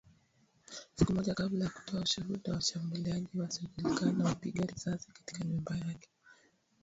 Siku moja kabla ya kutoa ushuhuda, washambuliaji wasiojulikana walipiga risasi katika nyumba yake